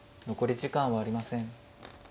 残り時間はありません。